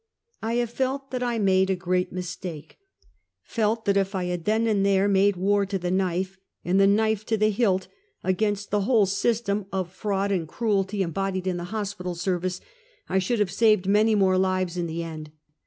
I have felt that I made a great mistake — felt that if I had then and there made war to the knife, and the knife to the hilt, against the whole system of fraud 294 Half a Centuey. and cruelty embodied in the liospital service, I sliould have saved many more lives in the end.